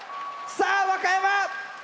さぁ和歌山！